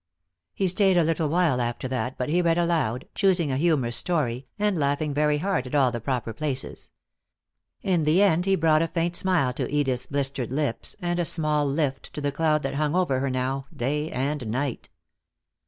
He stayed a little while after that, but he read aloud, choosing a humorous story and laughing very hard at all the proper places. In the end he brought a faint smile to Edith's blistered lips, and a small lift to the cloud that hung over her now, day and night.